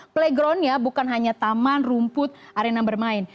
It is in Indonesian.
playgroundnya bukan hanya taman rumput arena bermain